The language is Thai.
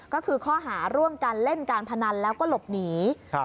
ก็คือข้อหาร่วมกันเล่นการพนันแล้วก็หลบหนี